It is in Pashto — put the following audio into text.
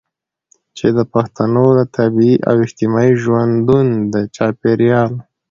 چې د پښتنو د طبیعي او اجتماعي ژوندون د چاپیریال